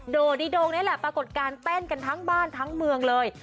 โดดิโดงนี่แหละปรากฏการณ์เต้นกันทั้งบ้านทั้งเมืองเลย